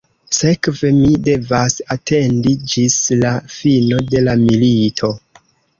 Sekve mi devas atendi ĝis la fino de la milito.